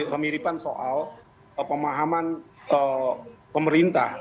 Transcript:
kemiripan soal pemahaman pemerintah